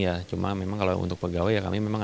ya cuma memang kalau untuk pegawai ya kami memang